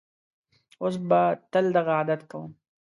اوس به تل دغه عادت کوم.